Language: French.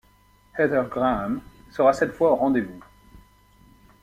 Heather Graham sera cette fois au rendez-vous.